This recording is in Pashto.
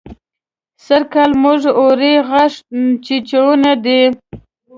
سرکال زموږ اوړه غاښ چيچوني دي.